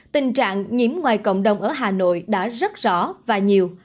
tình trạng nhiễm ngoài cộng đồng ở hà nội đã rất rõ và nhiều